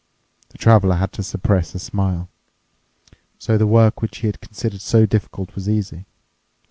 The Traveler had to suppress a smile. So the work which he had considered so difficult was easy.